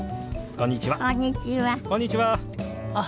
こんにちは！